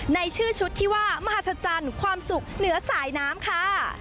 ในชื่อชุดที่ว่ามหัศจรรย์ความสุขเหนือสายน้ำค่ะ